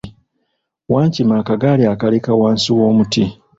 Wankima akagaali ekaleka wansi w'omuti.